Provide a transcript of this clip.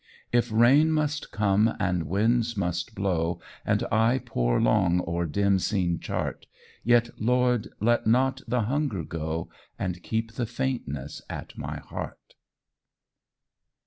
If rain must come and winds must blow, And I pore long o'er dim seen chart, Yet, Lord, let not the hunger go, And keep the faintness at my heart.